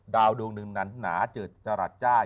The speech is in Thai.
ดาวดวงหนึ่งนั้นหนาเจอจรัจจ้า